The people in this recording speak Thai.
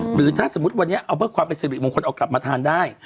หรือถ้าสมมุติวันนี้เอาเพื่อความเป็นสิริมงคลเอากลับมาทานได้